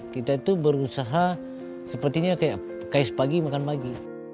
kita itu berusaha sepertinya kayak kais pagi makan pagi